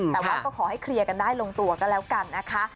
แต่ว่าก็ขอให้เคลียร์กันได้ลงตัวก็แล้วกันนะคะ